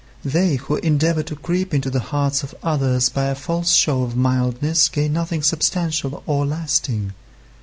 They who endeavour to creep into the hearts of others by a false show of mildness gain nothing substantial or lasting.